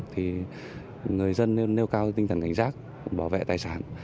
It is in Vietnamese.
thì người dân nên nêu cao tinh thần cảnh giác bảo vệ tài sản